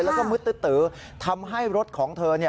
แล้วก็มืดตื้อทำให้รถของเธอ